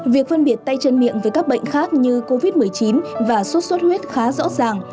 việc phân biệt tay chân miệng với các bệnh khác như covid một mươi chín và sốt xuất huyết khá rõ ràng